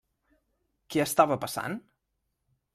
Què estava passant?